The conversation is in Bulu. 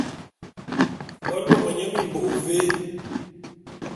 Me lôme nye mimbôk vé?